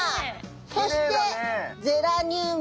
そしてゼラニウム。